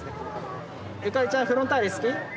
ウタエちゃんフロンターレ好き？